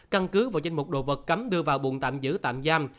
căn cứ vào danh một đồ vật cấm đưa vào buồn tạm giữ tạm giam